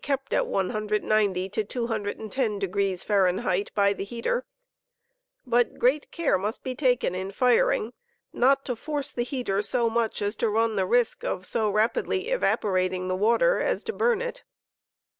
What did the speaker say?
n| ut c l S?t be kept at 190° to 210° Fahrenheit by the heater 5 but great care must be taken in firing not to force the heater so much as to run the risk of so rapidly evaporating the water as to burn it.